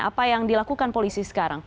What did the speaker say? apa yang dilakukan polisi sekarang